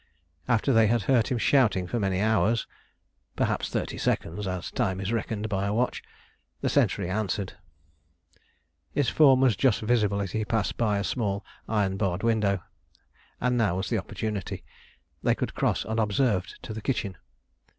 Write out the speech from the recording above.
After they had heard him shouting for many hours (perhaps thirty seconds, as time is reckoned by a watch), the sentry answered. His form was just visible as he passed by a small iron barred window, and now was the opportunity. They could cross unobserved to the kitchen.